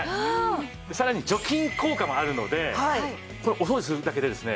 さらに除菌効果もあるのでお掃除するだけでですね